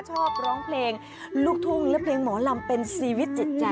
ชอบร้องเพลงลูกทุ่งและเพลงหมอลำเป็นชีวิตจิตใจ